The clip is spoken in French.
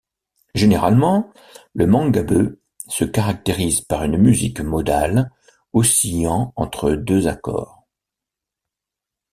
Généralement, le Mangambeu se caractérise par une musique modale, oscillant entre deux accords.